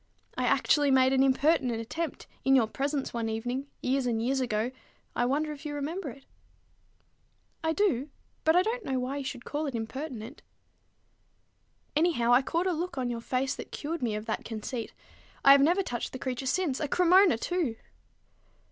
I actually made an impertinent attempt in your presence one evening, years and years ago, I wonder if you remember it." "I do; but I don't know why you should call it impertinent." "Anyhow, I caught a look on your face that cured me of that conceit. I have never touched the creature since, a Cremona too!"